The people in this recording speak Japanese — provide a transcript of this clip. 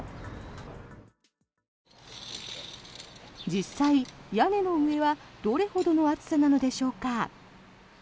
実際、屋根の上はどれほどの暑さなのでしょうか。